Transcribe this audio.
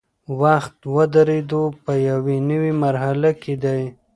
وخت د درېدو په یوې نوي مرحله کې دی.